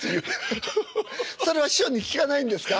それは師匠に聞かないんですか？